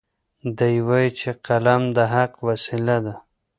دی وایي چې قلم د حق وسیله ده.